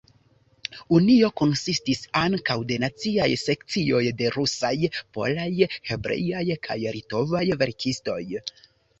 Unio konsistis ankaŭ de naciaj sekcioj de rusaj, polaj, hebreaj kaj litovaj verkistoj.